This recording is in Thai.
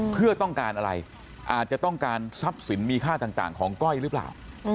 เพื่อต้องการอะไรอาจจะต้องการทรัพย์สินมีค่าต่างของก้อยหรือเปล่า